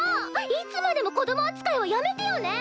いつまでも子供扱いはやめてよね！